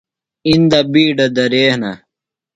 اِندہ بِیڈہ درے ہِنہ۔